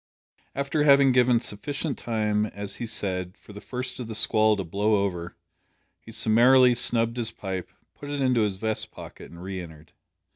After having given sufficient time, as he said, "for the first o' the squall to blow over," he summarily snubbed his pipe, put it into his vest pocket, and re entered.